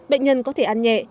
bệnh nhân có thể ăn nhẹ